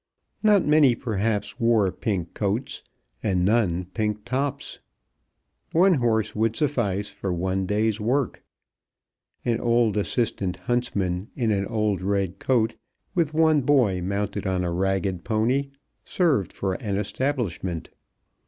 Not many perhaps wore pink coats, and none pink tops. One horse would suffice for one day's work. An old assistant huntsman in an old red coat, with one boy mounted on a ragged pony, served for an establishment.